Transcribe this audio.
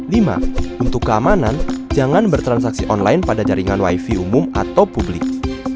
lima untuk keamanan jangan bertransaksi online pada jaringan wifi umum atau publik